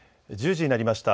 １０時になりました。